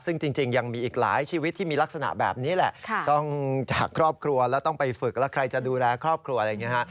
ซึ่งจริงยังมีอีกหลายชีวิตที่มีลักษณะแบบนี้แหละต้องจากครอบครัวแล้วต้องไปฝึกแล้วใครจะดูแลครอบครัวอะไรอย่างนี้ฮะ